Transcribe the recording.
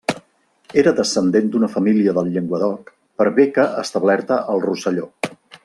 Era descendent d'una família del Llenguadoc, per bé que establerta al Rosselló.